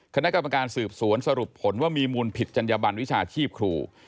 คณะกรรมการสืบสวนสรุปผลว่ามีมูลผิดจัญญบันวิชาชีพครู